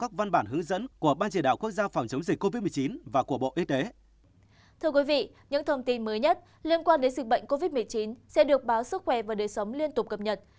thưa quý vị những thông tin mới nhất liên quan đến dịch bệnh covid một mươi chín sẽ được báo sức khỏe và đời sống liên tục cập nhật